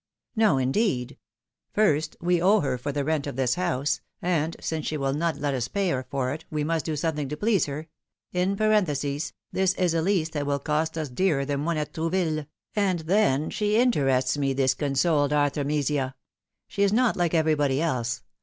" No, indeed ! First, we owe her for the rent of this house, and since she will not let us pay her for it, we must do something to please her — in parenthesis, this is a lease that will cost us dearer than one at Trouville — and then, she interests me, this consoled Arthemesia ! She is not like everybody else.